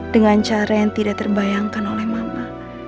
dengan cara yang tidak terbayangkan oleh mama